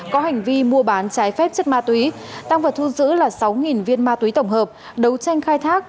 có hành vi mua bán trái phép chất ma túy tăng vật thu giữ là sáu viên ma túy tổng hợp đấu tranh khai thác